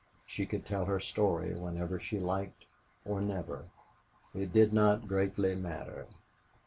She could, tell her story whenever she liked or never it did not greatly matter.